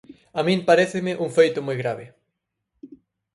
A min paréceme un feito moi grave.